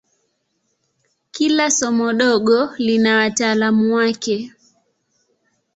Kila somo dogo lina wataalamu wake.